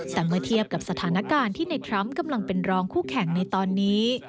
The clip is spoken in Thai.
แต่เมื่อเทียบกับสถานการณ์ที่ในทรัมป์กำลังเป็นรองคู่แข่งในตอนนี้